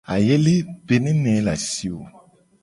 Ayele pe nene ye le asi wo ?